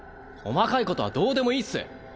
細かいことはどうでもいいっす。